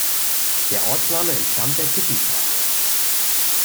Der Ortsname entstammt der Tupi-Sprache.